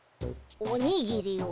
おにぎりを。